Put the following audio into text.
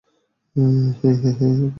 হেই, hey, hey, ওকে!